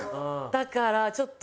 だからちょっと。